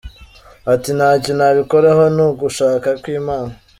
Ati: “Ntacyo nabikoraho, ni ugushaka kw’Imana.